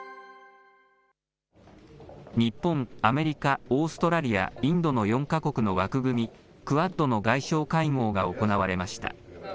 日本、アメリカ、オーストラリア、インドの４か国の枠組み・クアッドの外相会合が行われました。